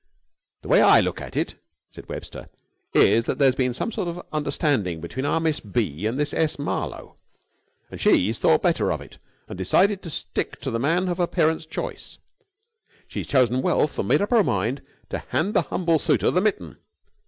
"The way I look at it," said Webster, "is that there's been some sort of understanding between our Miss B. and this S. Marlowe, and she's thought better of it and decided to stick to the man of her parent's choice. She's chosen wealth and made up her mind to hand the humble suitor the mitten.